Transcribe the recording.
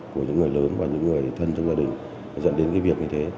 của những người lớn và những người thân trong gia đình dẫn đến cái việc như thế